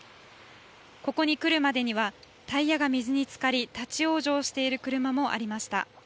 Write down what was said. ここに来るまでにはタイヤが水につかり立往生している車もありました。